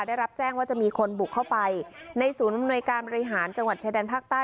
ได้รับแจ้งว่าจะมีคนบุกเข้าไปในศูนย์อำนวยการบริหารจังหวัดชายแดนภาคใต้